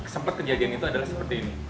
sempat kejadian itu adalah seperti ini